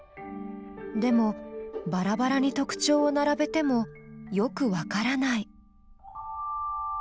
でもバラバラに特徴を並べてもよくわからない。